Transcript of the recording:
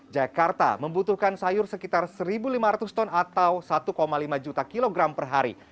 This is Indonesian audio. jakarta membutuhkan sayur sekitar satu lima ratus ton atau satu lima juta kilogram per hari